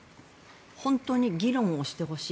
本当に議論をしてほしい。